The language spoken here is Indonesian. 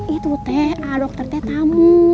itu teh a dokter teh tamu